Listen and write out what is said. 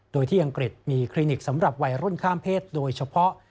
โดยที่อังกฤษมีคลินิกสำหรับวัยรุ่นข้ามเพศโดยเฉพาะ